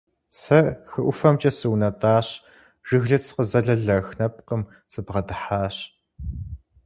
Сэ хы ӀуфэмкӀэ сунэтӀащ, жыглыц къызэлэлэх нэпкъым сыбгъэдыхьащ.